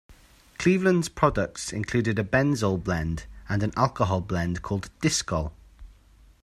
Cleveland's products included a benzole blend and an alcohol blend called "Discol".